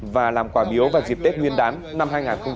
và làm quả biếu vào dịp tết nguyên đán năm hai nghìn hai mươi